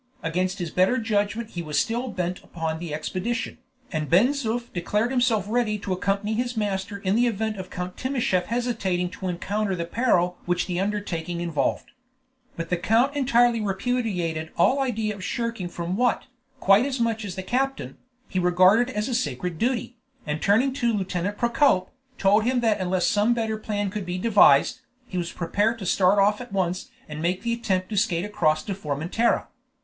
Against his better judgment he was still bent upon the expedition, and Ben Zoof declared himself ready to accompany his master in the event of Count Timascheff hesitating to encounter the peril which the undertaking involved. But the count entirely repudiated all idea of shrinking from what, quite as much as the captain, he regarded as a sacred duty, and turning to Lieutenant Procope, told him that unless some better plan could be devised, he was prepared to start off at once and make the attempt to skate across to Formentera.